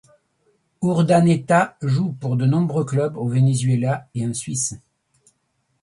Urdaneta joue pour de nombreux clubs au Venezuela et en Suisse.